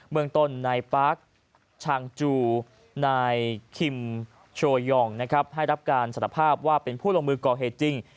เมืองต้นนายปาร์คชางจูนายคิมโชยองนะครับให้รับการสารภาพว่าเป็นผู้ลงมือก่อเหตุจริง